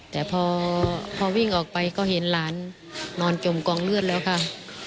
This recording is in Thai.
แต่พอวิ่งออกไปก็เห็นหลานนอนจมกองเลือดแล้วค่ะ